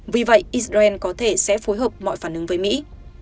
vì vậy israel có thể sẽ phối hợp mọi phản ứng với mỹ